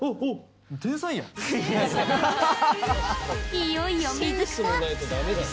いよいよ、水草。